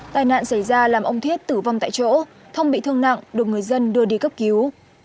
tài nạn xảy ra làm ông thiết tử vong tại chỗ thông bị thương nặng được người dân đưa đi cấp cứu